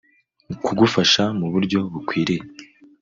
kugufasha mu buryo bukwiriye